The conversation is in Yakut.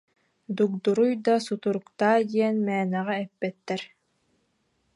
Дугдуруй да сутуруктаа диэн мээнэҕэ эппэттэр